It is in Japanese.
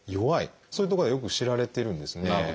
そういうところがよく知られてるんですね。